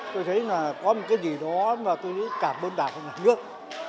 tôi thấy là có một cái gì đó mà tôi cảm ơn đại phương đất nước